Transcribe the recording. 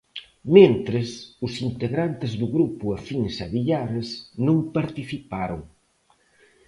Mentres, os integrantes do grupo afíns a Villares non participaron.